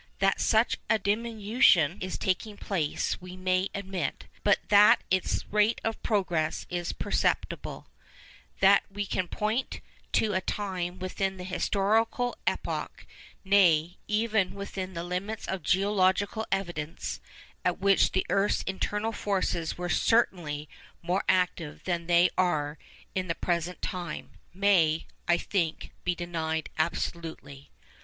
That such a diminution is taking place, we may admit; but that its rate of progress is perceptible—that we can point to a time within the historical epoch, nay, even within the limits of geological evidence, at which the earth's internal forces were certainly more active than they are at the present time—may, I think, be denied absolutely.